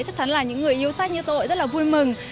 chắc chắn là những người yêu sách như tôi rất là vui mừng